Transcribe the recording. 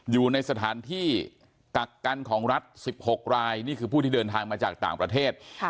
อยู่ในสถานที่กักกันของรัฐ๑๖รายนี่คือผู้ที่เดินทางมาจากต่างประเทศ